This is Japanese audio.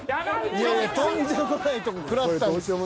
いやいやとんでもないとこ食らったんですよ。